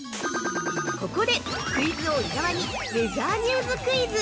◆ここで、クイズ王・伊沢にウェザーニューズクイズ！